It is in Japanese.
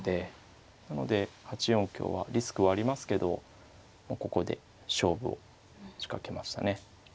なので８四香はリスクはありますけどここで勝負を仕掛けましたね。